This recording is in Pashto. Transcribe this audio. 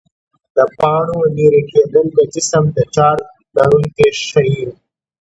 د پاڼو لیري کېدل جسم د چارج لرونکی ښيي.